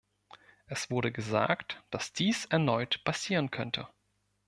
Es wurde gesagt, dass dies erneut passieren könnte.